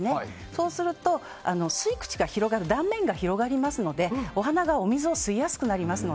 そうすると、吸い口が広がる断面が広がりますのでお花がお水を吸いやすくなります。